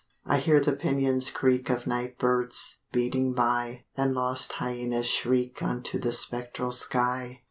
I hear the pinions creak Of night birds, beating by; And lost hyaenas shriek Unto the spectral sky.